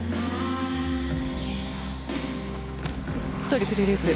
トリプルループ。